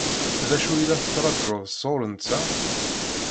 D acu i la tettṛaǧuḍ sɣur-nteɣ?